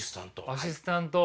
アシスタント。